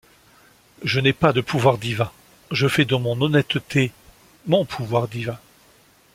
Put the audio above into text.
Je n'ai pas de pouvoir divin, je fais de mon honnêteté mon pouvoir divin.